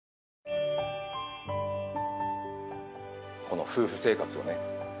この夫婦生活をね